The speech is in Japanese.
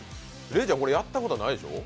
レイちゃん、これやったことないでしょう？